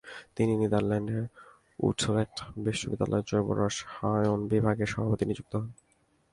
তিনি নেদারল্যান্ডের উটরেখট বিশ্ববিদ্যালয়ের জৈব রসায়ন বিভাগের সভাপতি নিযুক্ত হন।